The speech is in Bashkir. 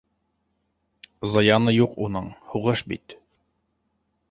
Зыяны юҡ уның! һуғыш бит...